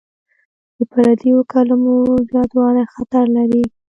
د پردیو کلمو زیاتوالی خطر لري.